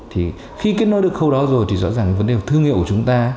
thì khi kết nối được khâu đó rồi thì rõ ràng vấn đề thương hiệu của chúng ta